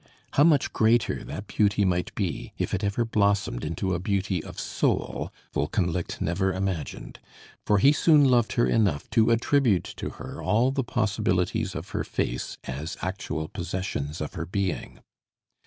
How much greater that beauty might be, if it ever blossomed into a beauty of soul, Wolkenlicht never imagined; for he soon loved her enough to attribute to her all the possibilities of her face as actual possessions of her being.